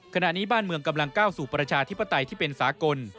ขณะนี้บ้านเมืองกำลังก้าวสู่ประชาธิปไตยที่เป็นสากล